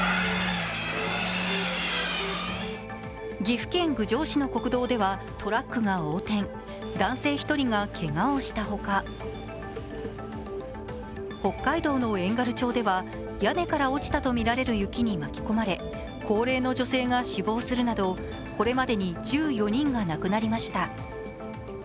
岐阜県郡上市の国道では、トラックが横転、男性１人がけがをしたほか、北海道の遠軽町では屋根から落ちたとみられる雪に巻き込まれ高齢の女性が死亡するなど、これまでに１４人が亡くなりました。